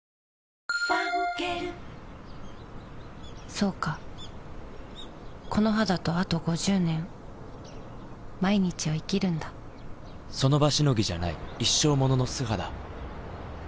そうかこの肌とあと５０年その場しのぎじゃない一生ものの素肌